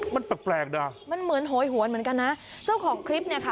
มันแปลกแปลกนะมันเหมือนโหยหวนเหมือนกันนะเจ้าของคลิปเนี่ยค่ะ